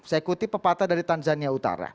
saya kutip pepatah dari tanzania utara